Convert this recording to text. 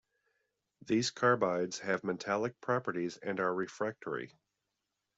These carbides have metallic properties and are refractory.